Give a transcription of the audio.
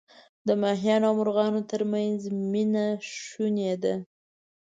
د ماهیانو او مرغانو ترمنځ مینه شوني ده.